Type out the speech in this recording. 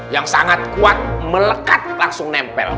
yang sangat kuat melekat langsung nempel